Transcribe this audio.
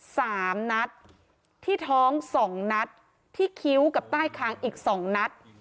สามนัดที่ท้องสองนัดที่คิ้วกับใต้คางอีกสองนัด